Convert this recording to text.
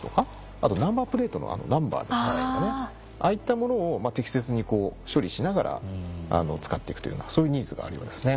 あとナンバープレートのナンバーですとかねああいったものを適切に処理しながら使っていくというようなそういうニーズがあるようですね。